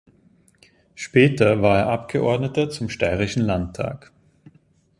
Später war er Abgeordneter zum Steirischen Landtag.